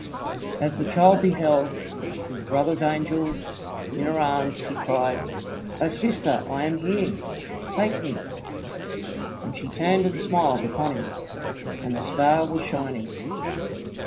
As the child beheld his brother's angel in her arms, he cried, "O sister, I am here! Take me!" And she turned and smiled upon him, and the star was shining.